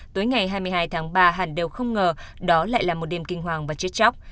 tối ngày hai mươi hai tháng ba hẳn đều không ngờ đó lại là một đêm kinh hoàng và chết chóc